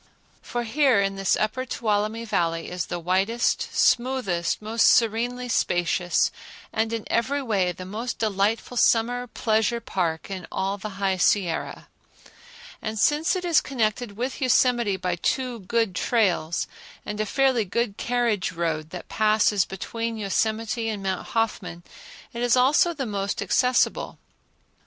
For here in this upper Tuolumne Valley is the widest, smoothest, most serenely spacious, and in every way the most delightful summer pleasure park in all the High Sierra. And since it is connected with Yosemite by two good trails, and a fairly good carriage road that passes between Yosemite and Mount Hoffman, it is also the most accessible.